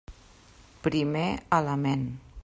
Primer element.